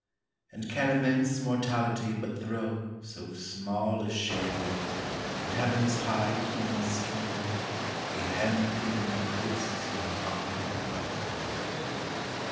And can immense Mortality but throw So small a shade, and Heaven's high human scheme Be hemmed within the coasts yon arc implies?